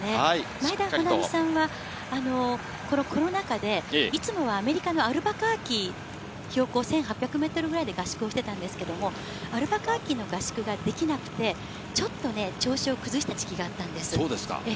前田穂南さんはこのコロナ禍で、いつもはアメリカのアルバカーキ、標高１８００メートルぐらいで合宿をしてたんですけれども、アルバカーキの合宿ができなくて、ちょっとね、調子を崩した時期がそうですか。